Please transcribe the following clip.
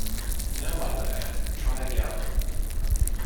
Now, my lad, try a gallop!